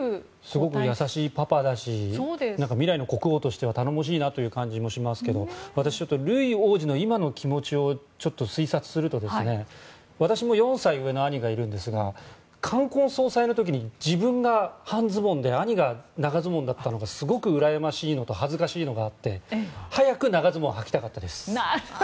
すごく優しいパパだし未来の国王としては頼もしいなという感じもしますけど私、ルイ王子の今の気持ちを推察すると、私も４歳上の兄がいるんですが、冠婚葬祭の時に自分が半ズボンで兄が長ズボンだったのがすごくうらやましいのと恥ずかしいのがあって早く長ズボンをはきたかったです。